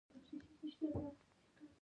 هیله او امید د ژوند د دوام ځواک دی.